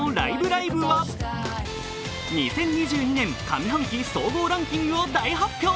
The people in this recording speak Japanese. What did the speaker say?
ライブ！」は２０２２年上半期総合ランキングを大発表。